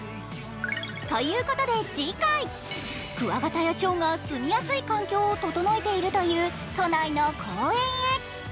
ということで次回、クワガタやチョウが住みやすい環境を整えているという都内の公園へ。